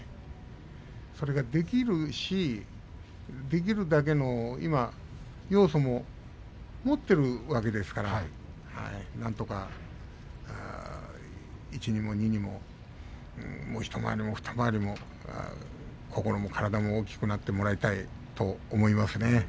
それができるしできるだけの要素も持っているわけですからなんとか１にも２にももう一回りも二回りも心も体も大きくなってもらいたいと思いますね。